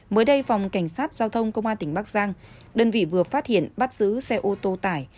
mới đây phòng cảnh sát giao thông công an tỉnh bắc giang đơn vị vừa phát hiện bắt giữ xe ô tô tải